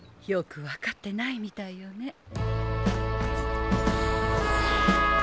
よく分かってないみたいよね。